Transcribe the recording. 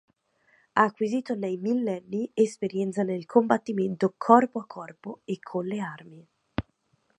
Ha acquisito nei millenni esperienza nel combattimento corpo a corpo e con le armi.